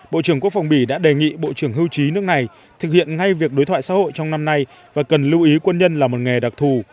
bộ trưởng quốc phòng bỉ đã đề nghị bộ trưởng hưu trí nước này thực hiện ngay việc đối thoại xã hội trong năm nay và cần lưu ý quân nhân là một nghề đặc thù